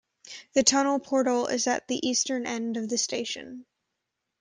The tunnel portal is at the eastern end of the station.